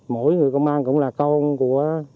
mỗi người công an cũng là con của